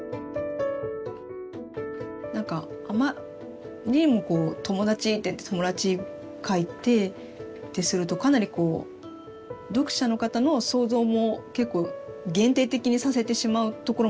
何かあまりにも友達っていって友達描いてってするとかなりこう読者の方の想像も結構限定的にさせてしまうところもあるのかな。